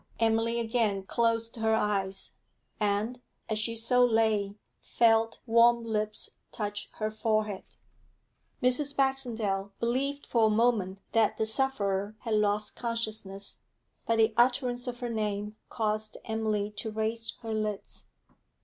Emily again closed her eyes, and, as she so lay, felt warm lips touch her forehead. Mrs. Baxendale believed for a moment that the sufferer had lost consciousness, but the utterance of her name caused Emily to raise her lids.